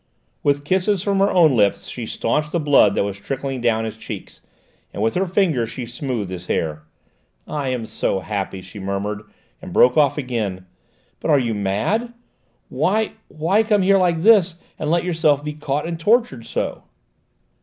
With kisses from her own lips she stanched the blood that was trickling down his cheeks, and with her fingers she smoothed his hair. "I am so happy!" she murmured, and broke off again. "But you are mad! Why, why come here like this, and let yourself be caught and tortured so?"